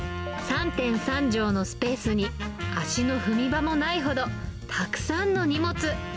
３．３畳のスペースに、足の踏み場もないほど、たくさんの荷物。